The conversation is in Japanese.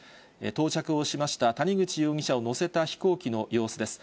到着をしました、谷口容疑者を乗せた飛行機の様子です。